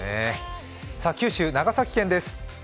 九州、長崎県です。